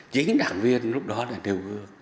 chính đảng viên lúc đó là điều